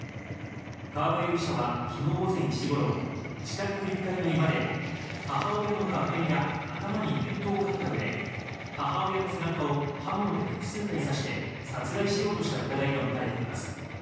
川場容疑者は昨日午前１時頃、自宅１階の居間で母親の顔面や頭に熱湯をかけた上、母親の背中を刃物で複数回刺して殺害しようとした疑いがもたれています。